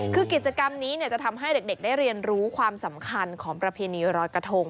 คือกิจกรรมนี้จะทำให้เด็กได้เรียนรู้ความสำคัญของประเพณีรอยกระทง